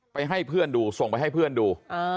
ให้เพื่อนดูส่งไปให้เพื่อนดู